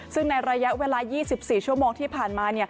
ซึ่งในระยะเวลา๒๔ชั่วโมงที่ผ่านมา